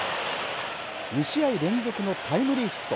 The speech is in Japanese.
２試合連続のタイムリーヒット。